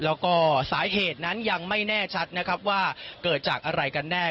แล้วก็สาเหตุนั้นยังไม่แน่ชัดนะครับว่าเกิดจากอะไรกันแน่